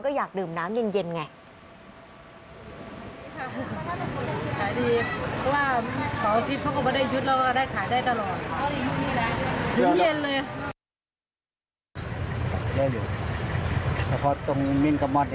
ก็อยากดื่มน้ำเย็นไง